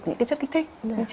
những cái chất kích thích